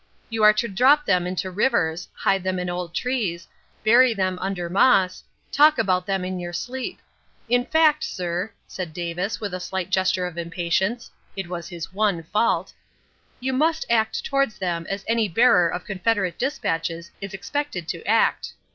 You are to drop them into rivers, hide them in old trees, bury them under moss, talk about them in your sleep. In fact, sir," said Davis, with a slight gesture of impatience it was his one fault "you must act towards them as any bearer of Confederate despatches is expected to act.